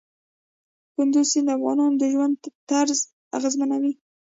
کندز سیند د افغانانو د ژوند طرز اغېزمنوي.